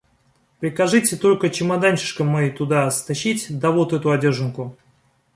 Прикажите только чемоданишко мой туда стащить да вот эту одеженку.